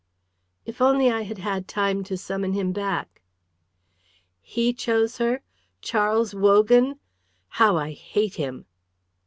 "If only I had had time to summon him back!" "He chose her Charles Wogan. How I hate him!"